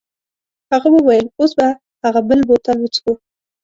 هغه وویل اوس به هغه بل بوتل وڅښو.